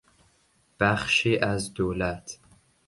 بخشی از دولت